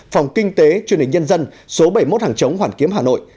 phòng kinh tế truyền hình nhân dân số bảy mươi một hàng chống hoàn kiếm hà nội